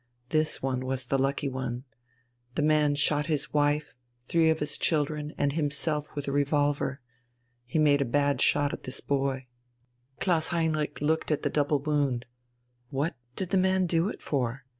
This one was the lucky one. The man shot his wife, three of his children, and himself with a revolver. He made a bad shot at this boy." Klaus Heinrich looked at the double wound. "What did the man do it for?"